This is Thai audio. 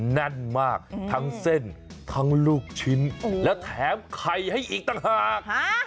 แน่นมากทั้งเส้นทั้งลูกชิ้นและแถมไข่ให้อีกต่างหาก